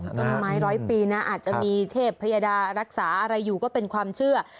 ต้นไม้ร้อยปีนะอาจจะมีเทพยดารักษาอะไรอยู่ก็เป็นความเชื่อ